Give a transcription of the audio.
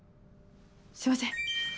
すいません。